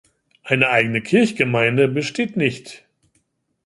Eine eigene Kirchgemeinde besteht nicht.